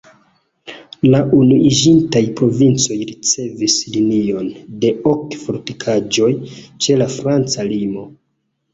La Unuiĝintaj Provincoj ricevis linion de ok fortikaĵoj ĉe la franca limo.